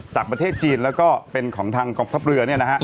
จากประเทศจีนแล้วก็เป็นของทางกองทัพเรือ